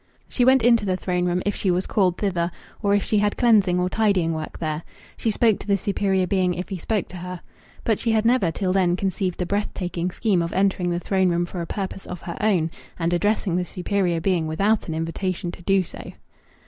She went into the throne room if she was called thither, or if she had cleansing or tidying work there; she spoke to the superior being if he spoke to her. But she had never till then conceived the breath taking scheme of entering the throne room for a purpose of her own, and addressing the superior being without an invitation to do so.